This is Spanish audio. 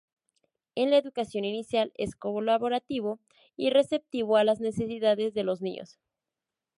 En la educación inicial es colaborativo y receptivo a las necesidades de los niños.